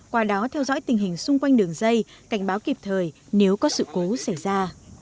qua đó theo dõi tình hình xung quanh đường dây cảnh báo kịp thời nếu có sự cố xảy ra